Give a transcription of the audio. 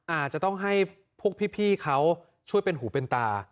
อาจจะต้องให้พวกพี่เขาช่วยเป็นหูเป็นตา